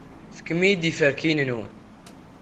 Fket-iyi-d iferkiyen-nwen.